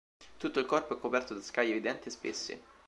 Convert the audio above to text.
Tutto il corpo è coperto da scaglie evidenti e spesse.